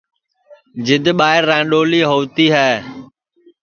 جِد ٻائیر رانڏولی ہووتی ہے